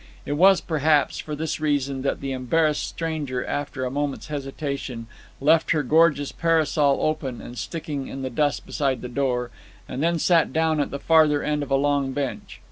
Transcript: It was, perhaps, for this reason that the embarrassed stranger, after a moment's hesitation, left her gorgeous parasol open and sticking in the dust beside the door, and then sat down at the farther end of a long bench.